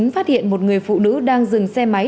phát hiện một người phụ nữ đang dừng xe máy